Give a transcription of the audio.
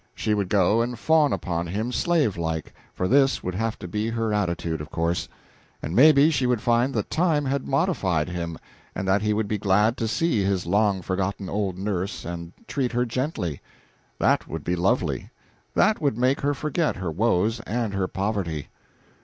She would go and fawn upon him, slave like for this would have to be her attitude, of course and maybe she would find that time had modified him, and that he would be glad to see his long forgotten old nurse and treat her gently. That would be lovely; that would make her forget her woes and her poverty.